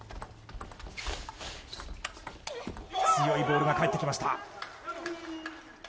強いボールが返ってきました。